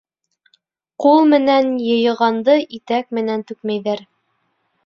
Ҡул менән йыйғанды итәк менән түкмәйҙәр.